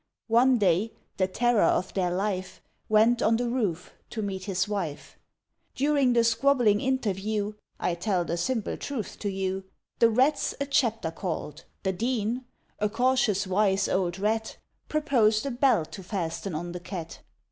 One day, the terror of their life Went on the roof to meet his wife: During the squabbling interview (I tell the simple truth to you), The Rats a chapter called. The Dean, A cautious, wise, old Rat, Proposed a bell to fasten on the Cat.